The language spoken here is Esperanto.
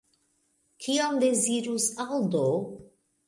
Kion dezirus Aldo?